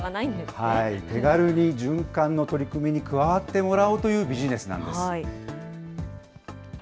手軽に循環の取り組みに加わってもらおうというビジネスなんです。